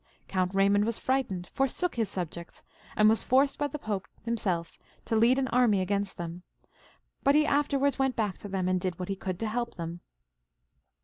Count Eaymond was frightened, forsook his subjects, and was forced by the Pope himself to lead an army against them ; but he afterwards went back to them, and did what he could to help them.